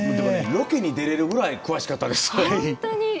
ロケに出れるぐらい詳しかったですから。